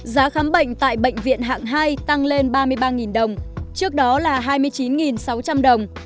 giá khám bệnh tại bệnh viện hạng hai tăng lên ba mươi ba đồng trước đó là hai mươi chín sáu trăm linh đồng